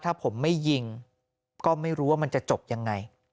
ถ้าผมไม่ยิงก็ไม่รู้ว่ามันจะจบยังไง